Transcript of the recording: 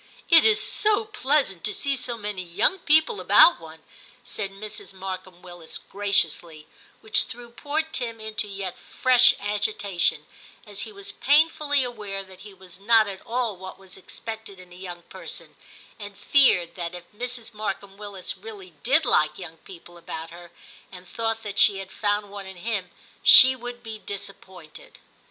* It is so pleasant to see so many young people about one,' said Mrs. Markham Willis graciously, which threw poor Tim into yet fresh agitation, as he was painfully aware that he was not at all what was expected in a young person, and feared that if Mrs. Markham Willis really did like young people about her, and thought that she had found one in him, she would be disappointed.